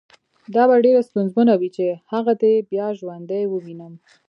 دا به ډېره ستونزمنه وي چې هغه دې بیا ژوندی ووینم